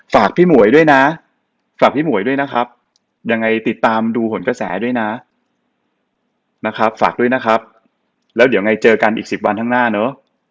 ฝากพี่หมวยด้วยนะฝากพี่หมวยด้วยนะครับยังไงติดตามดูผลกระแสด้วยนะนะครับฝากด้วยนะครับแล้วเดี๋ยวไงเจอกันอีก๑๐วันข้างหน้าเนอะ